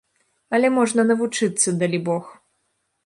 Але можна навучыцца, далібог.